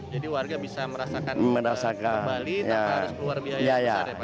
jadi warga bisa merasakan ke bali tanpa harus keluar biaya besar ya pak